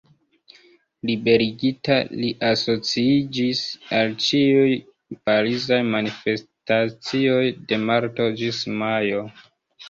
Liberigita li asociiĝis al ĉiuj parizaj manifestacioj de marto ĝis majo.